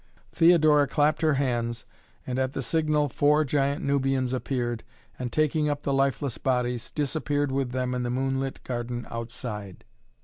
Theodora clapped her hands, and at the signal four giant Nubians appeared and, taking up the lifeless bodies, disappeared with them in the moonlit garden outside.